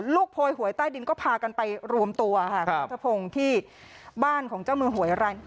ลูกโพยหวยใต้ดินก็พากันไปรวมตัวค่ะครับที่บ้านของเจ้ามือหวยรายนี้